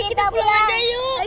kita pulang aja yuk